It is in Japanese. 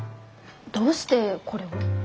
どうしてこれを？